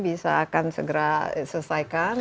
bisa akan segera selesaikan